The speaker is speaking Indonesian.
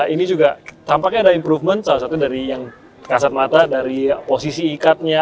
ini juga tampaknya ada improvement salah satu dari yang kasat mata dari posisi ikatnya